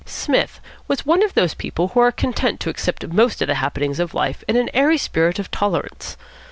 Psmith was one of those people who are content to accept most of the happenings of life in an airy spirit of tolerance.